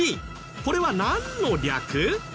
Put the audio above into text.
これはなんの略？